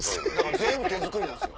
全部手作りなんすよ。